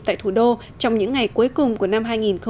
tại thủ đô trong những ngày cuối cùng của năm hai nghìn một mươi tám